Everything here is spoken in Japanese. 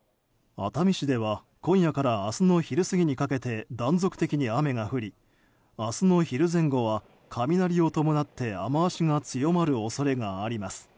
熱海市では今夜から明日の昼過ぎにかけて断続的に雨が降り明日の昼前後は雷を伴って雨脚が強まる恐れがあります。